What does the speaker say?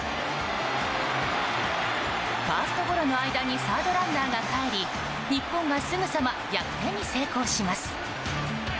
ファーストゴロの間にサードランナーがかえり日本がすぐさま逆転に成功します。